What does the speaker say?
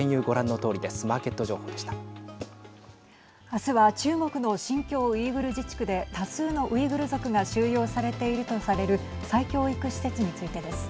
あすは中国の新疆ウイグル自治区で多数のウイグル族が収容されているとされる再教育施設についてです。